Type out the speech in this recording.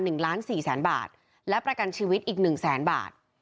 หนึ่งล้านสี่แสนบาทและประกันชีวิตอีกหนึ่งแสนบาท